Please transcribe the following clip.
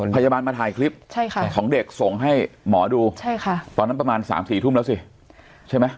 พยาบาลมาถ่ายคลิปของเด็กส่งให้หมอดูตอนนั้นประมาณ๓๔ทุ่มแล้วสิใช่ไหม